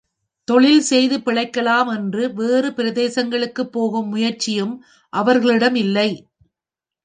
தொழில் செய்து பிழைக்கலாம் என்று வேறு பிரதேசங்களுக்குப் போகும் முயற்சியும் அவர்களிடம் இல்லை.